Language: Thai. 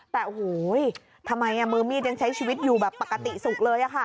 แต่โอ้โหทำไมมือมีดยังใช้ชีวิตอยู่แบบปกติสุขเลยค่ะ